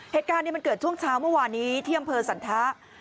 เหตุการณ์มันเกิดช่วงเช้าเมื่อวานนี้ที่อำเภอสันทะ